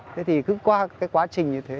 thế thì cứ qua cái quá trình như thế